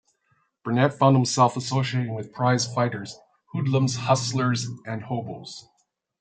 Burnett found himself associating with prize fighters, hoodlums, hustlers and hobos.